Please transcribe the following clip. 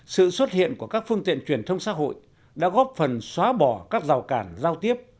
sự xuất hiện của các phương tiện truyền thông xã hội đã góp phần xóa bỏ các rào cản giao tiếp